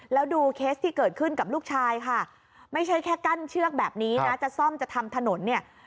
แล้วดูเคสที่เกิดขึ้นกับลูกชายค่ะไม่ใช่แค่กั้นเชือกแบบนี้นะจะซ่อมจะทำถนนเนี่ย